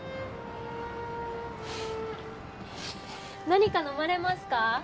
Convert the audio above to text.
何か飲まれますか？